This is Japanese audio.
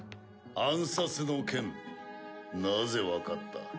暗殺の件なぜ分かった？